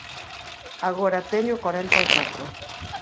Agora teño corenta e catro.